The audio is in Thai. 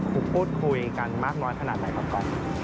พูดคุยกันมากน้อยขนาดไหนครับก่อน